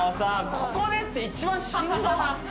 ここでって一番しんどっ。